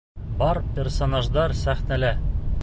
Бар персонаждар сәхнәлә.